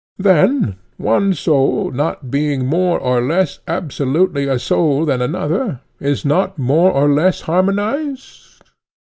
Then one soul not being more or less absolutely a soul than another, is not more or less harmonized?